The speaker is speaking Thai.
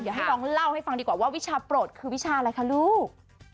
เดี๋ยวให้น้องเล่าให้ฟังดีกว่าว่าวิชาโปรดคือวิชาอะไรคะลูก